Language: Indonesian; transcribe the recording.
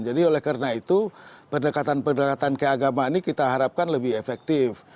jadi oleh karena itu pendekatan pendekatan keagamaan ini kita harapkan lebih efektif